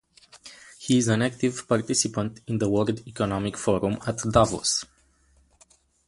He is an active participant in the World Economic Forum at Davos.